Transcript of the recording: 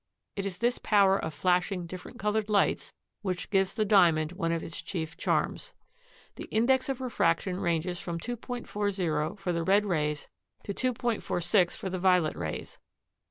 It is this power of flashing different colored lights which gives the Diamond one of its chief charms. The index of refraction ranges from 2.40 for the red rays to 2.46 for the violet rays.